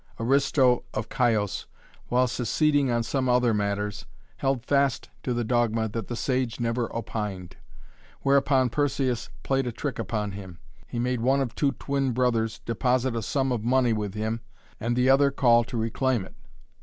Aristo of Chios, while seceding on some other matters, held fast to the dogma that the sage never opined. Whereupon Persaeus played a trick upon him. He made one of two twin brothers deposit a sum of money with him and the other call to reclaim it.